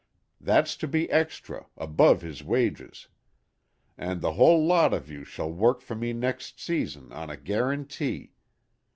That's to be extra, above his wages. And the whole lot of you shall work for me next season on a guarantee.